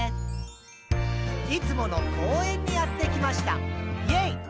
「いつもの公園にやってきました！イェイ！」